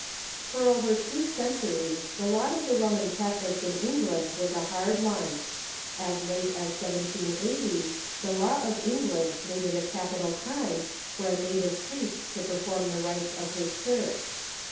] For over two centuries the lot of the Roman Catholics in England was a hard one. As late as 1780 the law of England made it a capital crime for a native priest to per " Sbfmief ' ^^1""^ ^^le I'^tes of his Church.